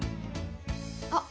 あっ